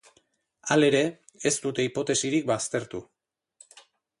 Halere, ez dute hipotesirik baztertu.